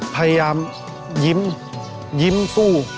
พยายามยิ้มยิ้มสู้